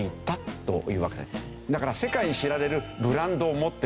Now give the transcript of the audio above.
だから世界に知られるブランドを持ってる。